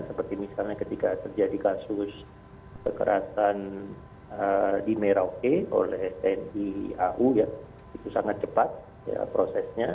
seperti misalnya ketika terjadi kasus kekerasan di merauke oleh tni au ya itu sangat cepat prosesnya